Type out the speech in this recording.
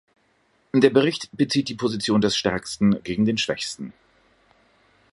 Der Bericht bezieht die Position des Stärksten gegen den Schwächsten.